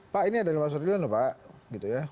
pak ini ada lima ratus triliun lho pak